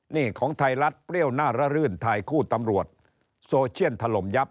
นี่ของไทยรัฐเปรี้ยวหน้าระรื่นถ่ายคู่ตำรวจโซเชียนถล่มยับ